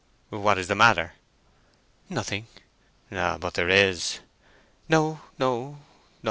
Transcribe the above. "What is the matter?" "Nothing." "But there is?" "No, no, no!